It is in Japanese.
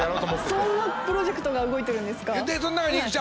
そんなプロジェクトが動いてる。